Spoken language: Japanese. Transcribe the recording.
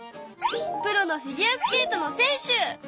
プロのフィギュアスケートの選手！